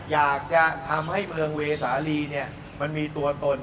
อยากจะทำให้เมืองเวสาลีเนี่ย